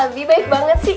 abi baik banget sih